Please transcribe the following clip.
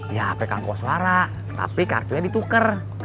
iya tapi kartunya ditukar